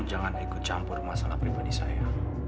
jangan ikut campur masalah pribadi saya